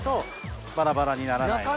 バラバラにならないので。